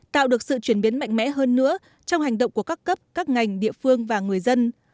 tạo được sự chuyển biến mạnh mẽ hơn nữa trong hành động của các cấp các ngành địa phương và người dân